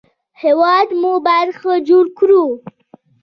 هېواد مو باید ښه جوړ کړو